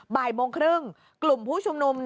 บ่ายโมงครึ่งกลุ่มผู้ชุมนุม